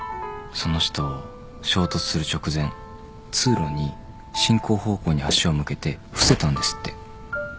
その人衝突する直前通路に進行方向に足を向けて伏せたんですって。